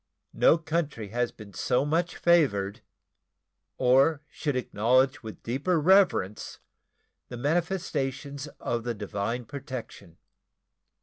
No country has been so much favored, or should acknowledge with deeper reverence the manifestations of the divine protection.